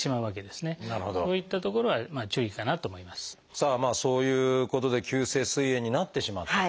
さあそういうことで急性すい炎になってしまったと。